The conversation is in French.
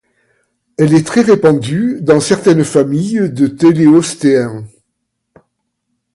Elle est très répandue dans certaines familles de téléostéens.